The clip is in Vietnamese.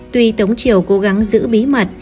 tuy tống triều cố gắng giữ bí mật